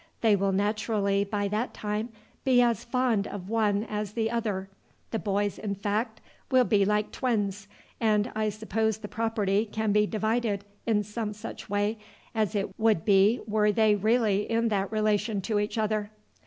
They will naturally by that time be as fond of one as the other. The boys, in fact, will be like twins; and I suppose the property can be divided in some such way as it would be were they really in that relation to each other."